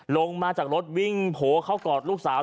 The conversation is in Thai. ลงมาจากรถวิ่งโผล่เข้ากอดลูกสาว